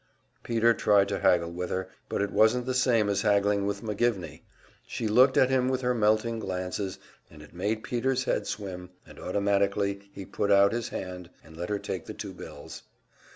Peter tried to haggle with her, but it wasn't the same as haggling with McGivney; she looked at him with her melting glances, and it made Peter's head swim, and automatically he put out his hand and let her take the two bills.